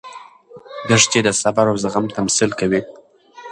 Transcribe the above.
دښتې د صبر او زغم تمثیل کوي.